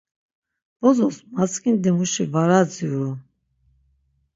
Bozos matzǩindimuşi var adziru.